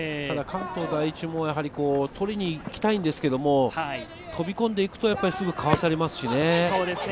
関東第一も取りに行きたいんですけど、飛び込んでいくと、すぐかわされますしね。